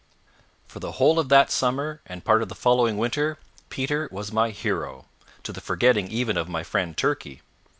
For the whole of that summer and part of the following winter, Peter was my hero, to the forgetting even of my friend Turkey.